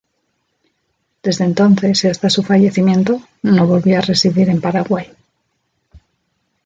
Desde entonces y hasta su fallecimiento, no volvió a residir en el Paraguay.